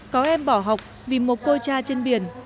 có em bỏ học vì một cô cha trên biển